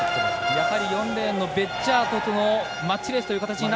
やはり４レーンのベッジャートとのマッチレース。